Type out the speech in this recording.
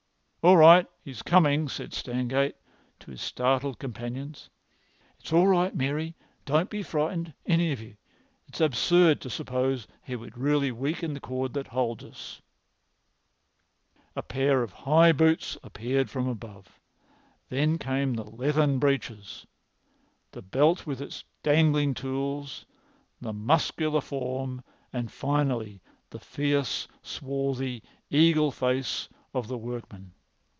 "All right, he's coming," said Stangate to his startled companions. "It's all right, Mary. Don't be frightened, any of you. It's absurd to suppose he would really weaken the cord that holds us." A pair of high boots appeared from above. Then came the leathern breeches, the belt with its dangling tools, the muscular form, and, finally, the fierce, swarthy, eagle face of the workman.